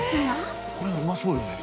これもうまそうよね。